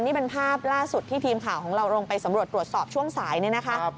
นี่เป็นภาพล่าสุดที่ทีมข่าวของเราลงไปสำรวจตรวจสอบช่วงสายเนี่ยนะคะ